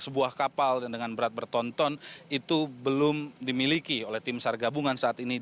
sebuah kapal dengan berat bertonton itu belum dimiliki oleh tim sargabungan saat ini